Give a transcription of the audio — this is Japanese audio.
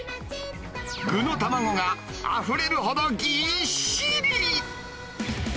具の卵があふれるほどぎっしり。